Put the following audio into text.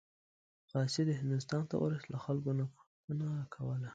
قاصد هندوستان ته ورسېده له خلکو نه پوښتنه کوله.